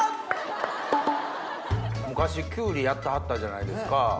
昔きゅうりやってはったじゃないですか。